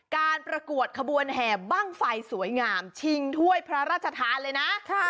การประกวดขบวนแห่บ้างไฟสวยงามชิงถ้วยพระราชทานเลยนะ